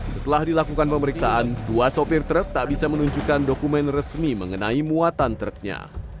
setelah dilakukan pemeriksaan dua sopir truk tak bisa menunjukkan dokumen resmi mengenai muatan truknya